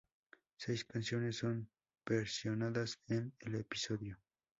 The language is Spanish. Seis canciones son versionadas en el episodio.